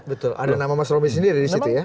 betul ada nama mas romy sendiri di situ ya